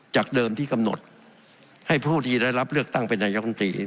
จากเดิมที่กำหนดให้ผู้ที่ได้รับเลือกตั้งเป็นนายกรรมตรี